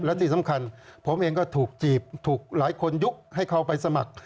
และที่สำคัญผมเองก็ถูกจีบถูกหลายคนยุคให้เขาไปสมัคร